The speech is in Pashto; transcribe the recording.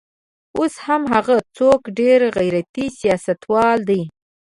اوس هم هغه څوک ډېر غیرتي سیاستوال دی.